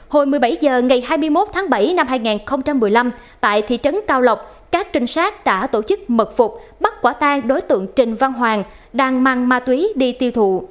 hồi một mươi bảy h ngày hai mươi một tháng bảy năm hai nghìn một mươi năm tại thị trấn cao lộc các trinh sát đã tổ chức mật phục bắt quả tang đối tượng trình văn hoàng đang mang ma túy đi tiêu thụ